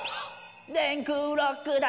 「電空ロックだ」